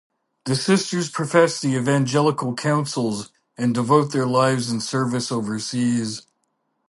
The sisters profess the evangelical counsels and devote their lives in service overseas.